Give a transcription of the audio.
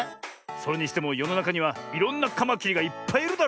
それにしてもよのなかにはいろんなカマキリがいっぱいいるだろう？